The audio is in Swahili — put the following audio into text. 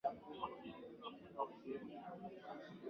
kwa sababu hubeba maji mengi kuliko Mto